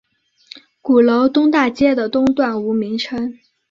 鼓楼东大街的东段无名称。